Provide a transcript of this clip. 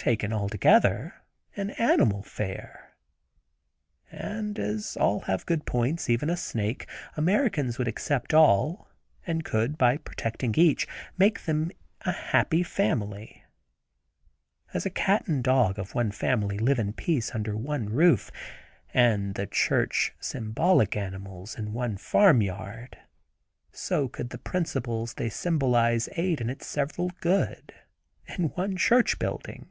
Taken altogether, an animal fair, and as all have good points, even a snake, Americans would accept all, and could, by protecting each, make them a happy family. As a cat and dog of one family live in peace under one roof, and the church symbolic animals in one farmyard, so could the principals they symbolize aid in its several good, in one church building."